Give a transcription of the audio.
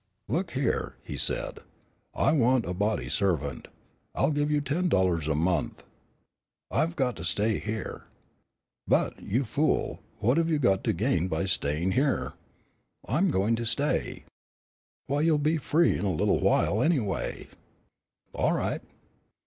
"Look here," he said, "I want a body servant. I'll give you ten dollars a month." "I've got to stay here." "But, you fool, what have you to gain by staying here?" "I'm goin' to stay." "Why, you'll be free in a little while, anyway." "All right."